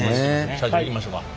社長いきましょうか。